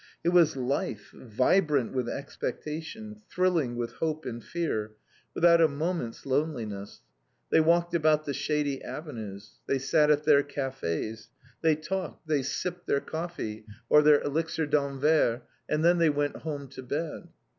It was life, vibrant with expectation, thrilling with hope and fear, without a moment's loneliness. They walked about the shady avenues. They sat at their cafés, they talked, they sipped their coffee, or their "Elixir d'Anvers" and then they went home to bed.